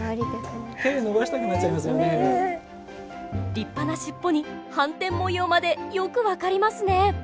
立派なしっぽに斑点模様までよく分かりますね。